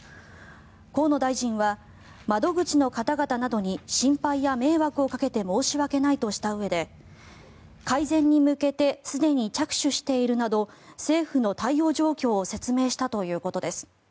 河野大臣は、窓口の方々などに心配や迷惑をかけて申し訳ないとしたうえで改善に向けてすでに着手しているなど政府の対応状況を説明したということです。